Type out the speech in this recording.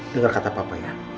dengar kata papa ya